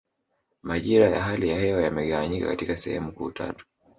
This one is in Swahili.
Majira ya hali ya hewa yamegawanyika katika sehemu kuu tatu